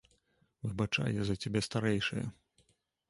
Выбачай, я за цябе старэйшая.